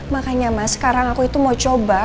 makanya mas sekarang aku itu mau coba